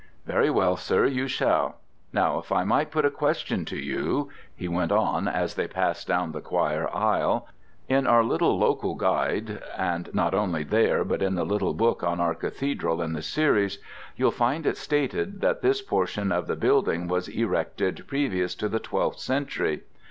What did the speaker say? "Very well, sir, you shall. Now if I might put a question to you," he went on, as they passed down the choir aisle, "in our little local guide and not only there, but in the little book on our Cathedral in the series you'll find it stated that this portion of the building was erected previous to the twelfth century.